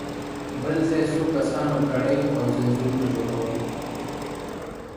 بل ځای څو کسانو کړۍ او ځنځيرونه جوړل.